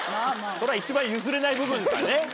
それは一番譲れない部分ですからね